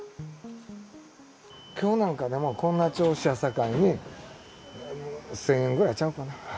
きょうなんかでも、こんな調子やさかいに、１０００円ぐらいちゃうかな。